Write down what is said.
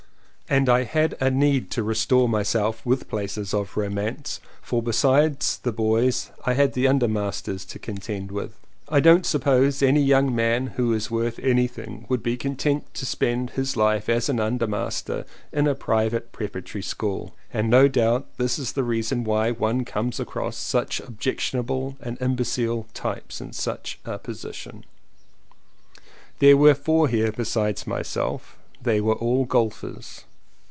And I had need to restore myself with places of romance, for besides the boys I had the undermasters to contend with. I don't suppose any young man who is worth anything would be content to spend his life as an undermaster in a Private Preparatory School, and no doubt this is the reason why one comes across such objectionable and imbecile types in such a position. There were four here besides myself. They were all golfers.